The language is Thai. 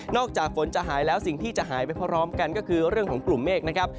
จากฝนจะหายแล้วสิ่งที่จะหายไปพร้อมกันก็คือเรื่องของกลุ่มเมฆนะครับ